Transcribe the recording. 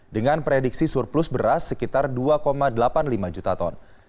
dengan prediksi surplus beras sekitar dua delapan puluh lima juta ton